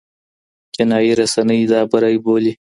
چینایي رسنۍ دا بری بولي.